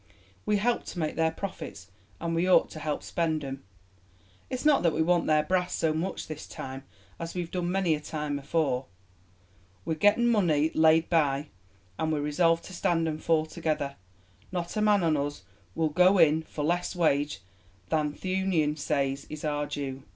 We help to make their profits, and we ought to help spend 'em. It's not that we want their brass so much this time, as we've done many a time afore. We'n getten money laid by; and we're resolved to stand and fall together; not a man on us will go in for less wage than th' Union says is our due.